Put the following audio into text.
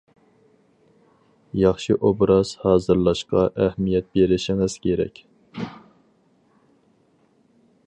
ياخشى ئوبراز ھازىرلاشقا ئەھمىيەت بېرىشىڭىز كېرەك.